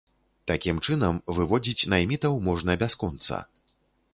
Такім чынам, выводзіць наймітаў можна бясконца.